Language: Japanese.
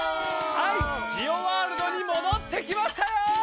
はいジオワールドにもどってきましたよ！